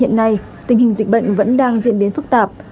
hiện nay tình hình dịch bệnh vẫn đang diễn biến phức tạp